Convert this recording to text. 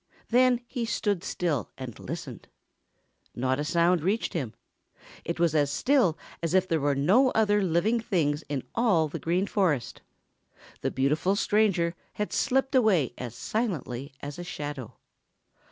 Then he stood still and listened. Not a sound reached him. It was as still as if there were no other living things in all the Green Forest. The beautiful stranger had slipped away as silently as a shadow.